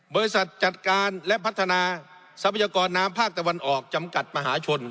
บริษัทจัดการและพัฒนาทรัพยากรน้ำภาคตะวันออกจำกัดมหาชน